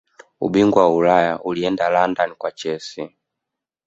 ubingwa wa ulaya ulienda london kwa chelsea